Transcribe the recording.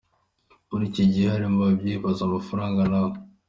Muri iki gihe ari mu babibyaza amafaranga na we.